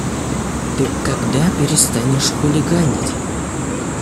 Ты когда перестанешь хулиганить?